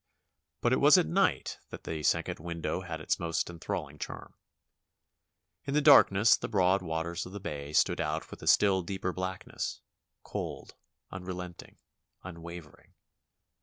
But it was at night that the second window had its most enthralhng charm. In the darkness the broad waters of the bay stood out with a still deeper black ness, cold, imrelenting, unwavering.